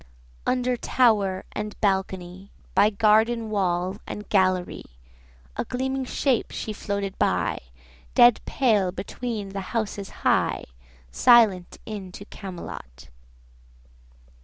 Under tower and balcony, By garden wall and gallery, 155 A gleaming shape she floated by, Dead pale between the houses high, Silent into Camelot.